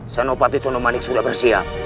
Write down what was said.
senopati conomanik sudah bersiap